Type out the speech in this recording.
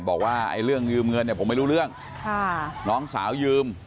บอกว่าไอ้เรื่องยืมเงินเนี่ยผมไม่รู้เรื่องค่ะน้องสาวยืม